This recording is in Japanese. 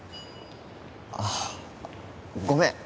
あごめん